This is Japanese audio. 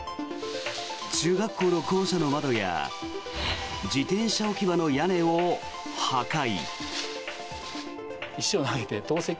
中学校の校舎の窓や自転車置き場の屋根を破壊。